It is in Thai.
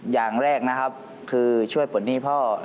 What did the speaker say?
อย่างแรกนะครับคือช่วยปลดหนี้พ่อ